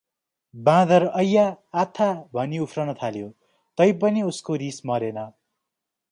बाँदर ऐप्या ! आत्था ! भनी उफ्रन थाल्यो तैपनि उसको रिस मरेन ।